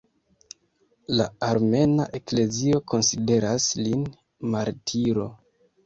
La Armena Eklezio konsideras lin martiro.